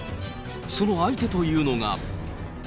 その相手というのが。